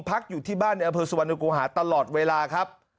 พักอยู่ที่บ้านในอำเภอสุวรรณกูหาตลอดเวลาครับ